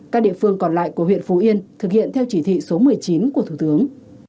các địa phương còn lại của huyện phú yên thực hiện theo chỉ thị số một mươi chín của thủ tướng